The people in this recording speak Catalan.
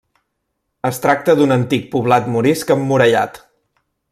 Es tracta d'un antic poblat morisc emmurallat.